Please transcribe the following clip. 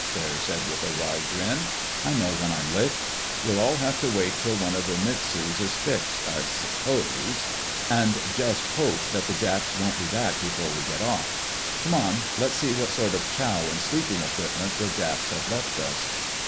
Barry said with a wry grin. "I know when I'm licked. We'll all have to wait till one of the Mitsus is fixed, I suppose—and just hope that the Japs won't be back before we get off. Come on—let's see what sort of chow and sleeping equipment the Japs have left us."